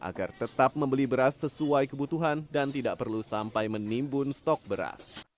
agar tetap membeli beras sesuai kebutuhan dan tidak perlu sampai menimbun stok beras